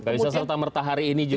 bisa serta merta hari ini juga